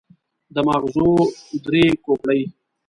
د ماغزو درې کوپړۍ.